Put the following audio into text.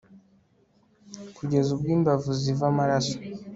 kugeza ubwo imbavu ziva amaraso